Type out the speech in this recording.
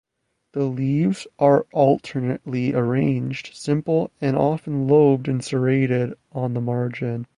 The leaves are alternately arranged, simple and often lobed and serrated on the margin.